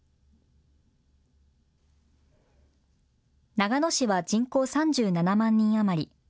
長野市は人口３７万人余り。